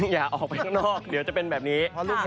อย่าออกไปข้างนอกเดี๋ยวจะเป็นแบบนี้